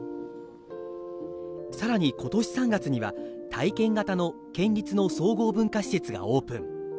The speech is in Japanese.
さらに、今年３月には体験型の県立の総合文化施設がオープン。